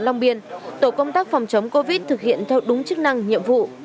long biên tổ công tác phòng chống covid thực hiện theo đúng chức năng nhiệm vụ